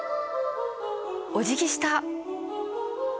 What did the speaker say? おじぎした！